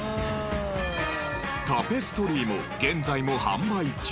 タペストリーも現在も販売中。